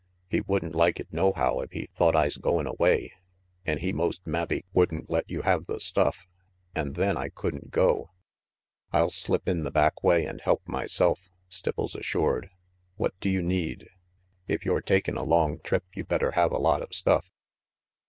He would'n like it nohow if he thought I's goin' away, an' he most mabbe would'n let you have the stuff, an' then I could'n go "I'll slip in the back way and help myself," Stipples assured. "What do you need? If you're takin' a long trip, you better have a lot of stuff."